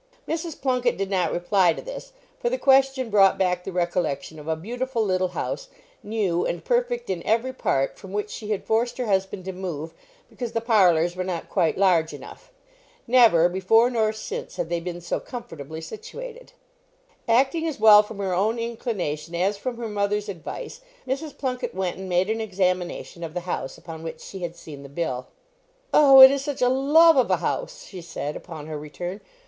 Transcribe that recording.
Mrs. Plunket did not reply to this, for the question brought back the recollection of a beautiful little house, new, and perfect in every part, from which she had forced her husband to move, because the parlours were not quite large enough. Never, before nor since, had they been so comfortably situated. Acting as well from her own inclination as from her mother's advice, Mrs. Plunket went and made an examination of the house upon which she had seen the bill. "Oh, it is such a love of a house!" she said, upon her return.